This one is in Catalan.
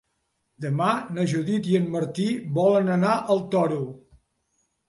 Demà na Judit i en Martí volen anar al Toro.